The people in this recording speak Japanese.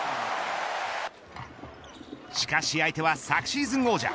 しかし相手は昨シーズン王者。